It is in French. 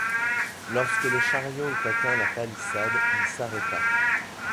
Lorsque le chariot eut atteint la palissade, il s’arrêta